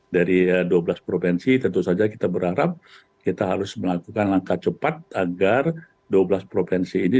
dari dua belas provinsi tentu saja kita berharap kita harus melakukan langkah cepat agar dua belas provinsi ini